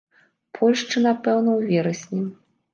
Польшчы, напэўна, у верасні.